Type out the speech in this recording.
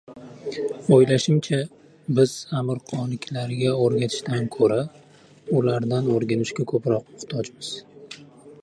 O‘ylashimcha, biz amirqoliklarga o‘rgatishdan ko‘ra, ulardan o‘rganishga ko‘proq muhtojmiz.